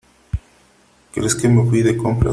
¿ crees que me fui de compras ?